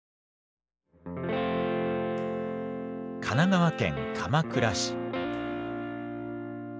神奈川県鎌倉市。